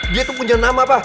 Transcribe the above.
dia tuh punya nama pak